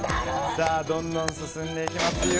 どんどん進んでいきますよ。